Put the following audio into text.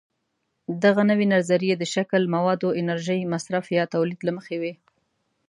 دغه نوې نظریې د شکل، موادو، انرژۍ مصرف یا د تولید له مخې وي.